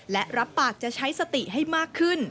และรับปากจะใช้สติให้มากขึ้น